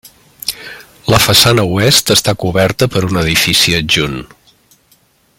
La façana Oest, està coberta per un edifici adjunt.